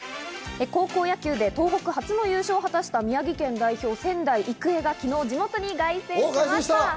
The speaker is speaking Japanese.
高校野球で東北初の優勝を果たした宮城県代表の仙台育英が昨日、地元に凱旋しました。